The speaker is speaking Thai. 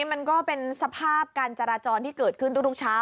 มันก็เป็นสภาพการจราจรที่เกิดขึ้นทุกเช้า